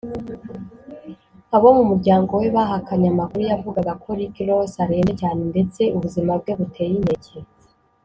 Abo mu muryango we bahakanye amakuru yavugaga ko Rick Ross arembye cyane ndetse ubuzima bwe buteye inkeke